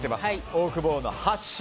オオクボーノさん、８勝。